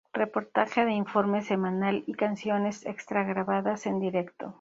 Reportaje de "Informe Semanal" y canciones extra grabadas en directo.